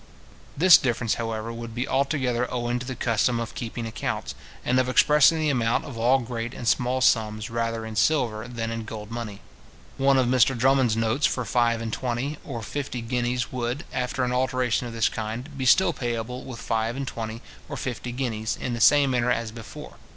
This difference, however, would be altogether owing to the custom of keeping accounts, and of expressing the amount of all great and small sums rather in silver than in gold money. One of Mr Drummond's notes for five and twenty or fifty guineas would, after an alteration of this kind, be still payable with five and twenty or fifty guineas, in the same manner as before.